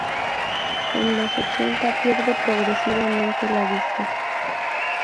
En los ochenta pierde progresivamente la vista.